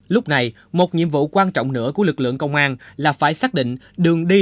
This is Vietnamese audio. lúc này một nhiệm vụ quan trọng nữa của lực lượng công an là phải xác định đường đi